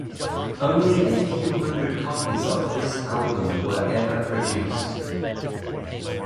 Only a few hundred copies of this album were ever produced.